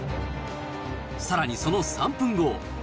さらにその３分後。